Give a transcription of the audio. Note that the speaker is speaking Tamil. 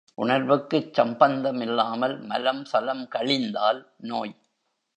உணர்வுக்குச் சம்பந்தமில்லாமல் மலம் சலம் கழிந்தால் நோய்.